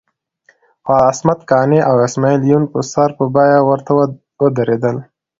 خو عصمت قانع او اسماعیل یون په سر په بیه ورته ودرېدل.